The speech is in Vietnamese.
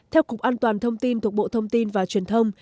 theo cục an toàn thông tin thuộc bộ thông tin và truyền thông